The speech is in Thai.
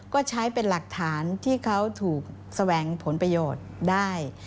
ก็ใช้เป็นหลักฐานที่เขาถูกแสวงผลประโยชน์ได้